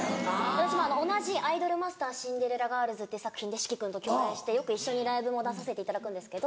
私も同じ『アイドルマスターシンデレラガールズ』って作品で志貴君と共演してよく一緒にライブも出させていただくんですけど。